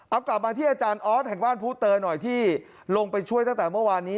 เอากลับมาที่อาจารย์ออสแห่งบ้านผู้เตยหน่อยที่ลงไปช่วยตั้งแต่เมื่อวานนี้